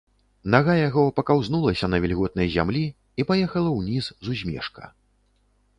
Нага яго пакаўзнулася на вільготнай зямлі і паехала ўніз з узмежка.